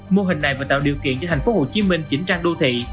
mô hình này phải tạo điều kiện cho thành phố hồ chí minh chỉnh trang đô thị